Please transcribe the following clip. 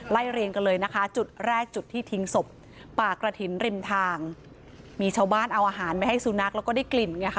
เรียงกันเลยนะคะจุดแรกจุดที่ทิ้งศพป่ากระถิ่นริมทางมีชาวบ้านเอาอาหารไปให้สุนัขแล้วก็ได้กลิ่นไงค่ะ